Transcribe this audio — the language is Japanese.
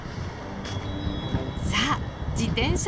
さあ自転車